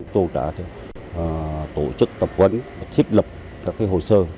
tôi đã tổ chức tập quấn xếp lập các hồ sơ